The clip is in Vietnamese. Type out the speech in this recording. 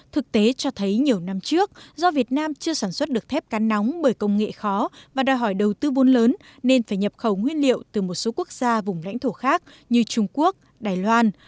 thực tế cho thấy nhiều năm trước do việt nam chưa sản xuất được thép cán nóng bởi công nghệ khó và đòi hỏi đầu tư vốn lớn nên phải nhập khẩu nguyên liệu từ một số quốc gia vùng lãnh thổ khác như trung quốc đài loan